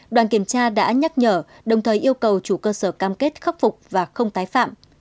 đoàn kiểm tra đã nhắc nhở đồng thời yêu cầu chủ cơ sở cam kết khắc phục và không tái phạm